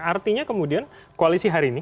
artinya kemudian koalisi hari ini